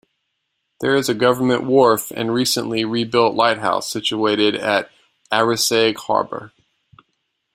There is a government wharf and recently rebuilt lighthouse situated at Arisaig Harbour.